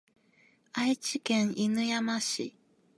愛知県犬山市